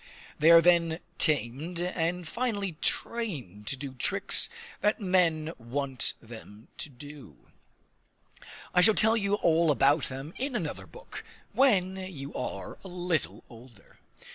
They are then tamed, and finally trained to do tricks that men want them to do. I shall tell you all about that in another book, when you are a little older.